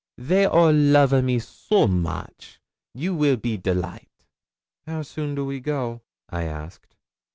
They all love a me so moche, you will be delight.' 'How soon do we go?' I asked.